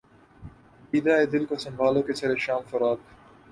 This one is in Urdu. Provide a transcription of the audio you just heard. دیدہ و دل کو سنبھالو کہ سر شام فراق